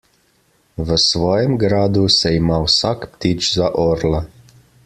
V svojem gradu se ima vsak ptič za orla.